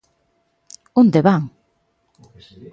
¡Onde van!